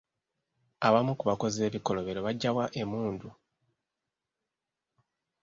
Abamu ku bakozi b'ebikolobero baggya wa emmundu?